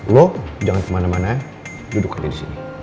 lo jangan kemana mana duduk aja disini